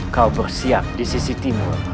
kau bersiap di sisi timur